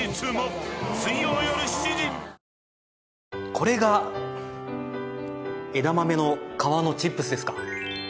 これが枝豆の皮のチップスですか。